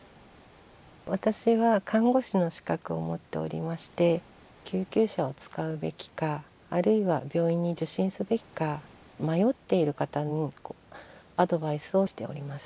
私は看護師の資格を持っておりまして救急車を使うべきかあるいは病院に受診すべきか迷っている方のアドバイスをしております。